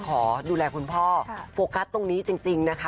ขอดูแลคุณพ่อโฟกัสตรงนี้จริงนะคะ